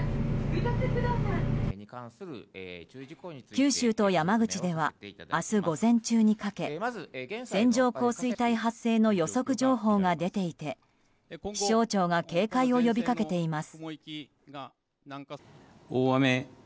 九州と山口では明日午前中にかけ線状降水帯発生の予測情報が出ていて気象庁が警戒を呼びかけています。